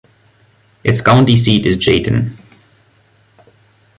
Its county seat is Jayton.